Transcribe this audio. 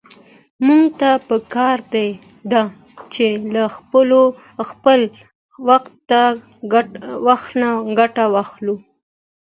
موږ ته په کار ده چې له خپل وخت نه ګټه واخلو.